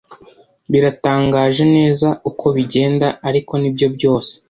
Biratangaje neza uko bigenda - ariko nibyo byose?